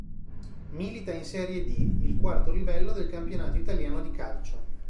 Milita in Serie D, il quarto livello del campionato italiano di calcio.